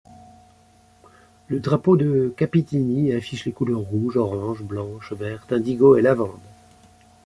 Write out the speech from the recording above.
Le drapeau de Capitini affiche les couleurs rouge, orange, blanche, verte, indigo, et lavande.